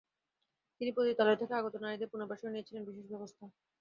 তিনি পতিতালয় থেকে আগত নারীদের পুনর্বাসনে নিয়েছিলেন বিশেষ ব্যবস্থা।